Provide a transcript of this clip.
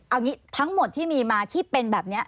เอางี้ทั้งหมดที่มีมาที่เป็นแบบนี้